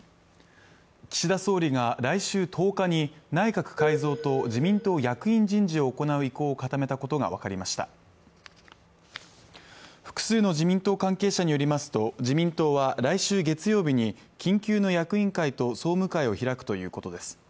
岸田総理が来週１０日に内閣改造と自民党役員人事を行う意向を固めたことが分かりました複数の自民党関係者によりますと自民党は来週月曜日に緊急の役員会と総務会を開くということです